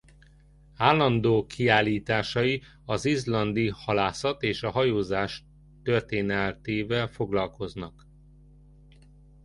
Állandó kiállításai az izlandi halászat és a hajózás történetével foglalkoznak.